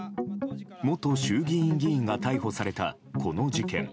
元衆議院議員が逮捕されたこの事件。